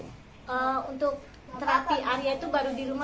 untuk terapi arya itu baru di rumah